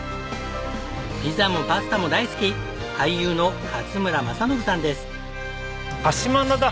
ピザもパスタも大好き俳優の勝村政信さんです。